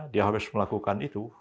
dia harus melakukan itu